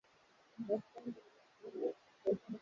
Utalii endelevu utachangia juhudi za kuimarisha uchumi